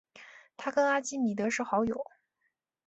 他跟阿基米德是好友。